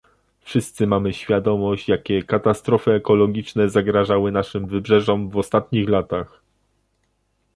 Wszyscy mamy świadomość jakie katastrofy ekologiczne zagrażały naszym wybrzeżom w ostatnich latach